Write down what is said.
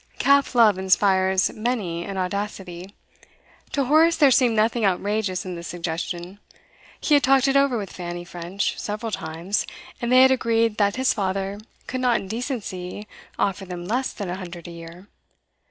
Calf love inspires many an audacity. To Horace there seemed nothing outrageous in this suggestion. He had talked it over with Fanny French several times, and they had agreed that his father could not in decency offer them less than a hundred a year.